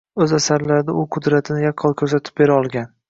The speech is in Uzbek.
Oʻz asarlarida u qudratini yaqqol koʻrsatib bera olgan.